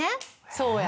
そうや。